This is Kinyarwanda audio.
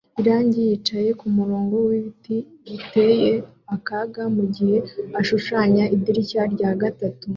Irangi yicaye kumurongo wibiti biteye akaga mugihe ashushanya idirishya rya gatatu